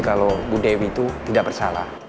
kalau bu dewi itu tidak bersalah